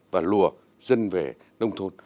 và lùa dân về nông thôn